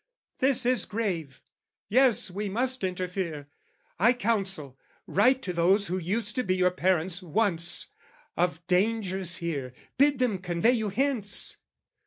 'This is grave "'Yes we must interfere: I counsel, write "'To those who used to be your parents once, "'Of dangers here, bid them convey you hence!'